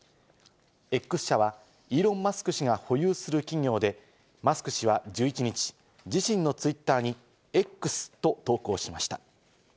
Ｘ社はイーロン・マスク氏が保有する企業で、マスク氏は１１日、自身のツイッターに「Ｘ」と投稿しました。